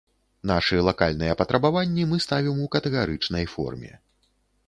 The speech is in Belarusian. Нашы лакальныя патрабаванні мы ставім у катэгарычнай форме.